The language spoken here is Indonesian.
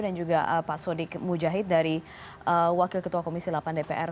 dan juga pak sodik mujahid dari wakil ketua komisi delapan dpr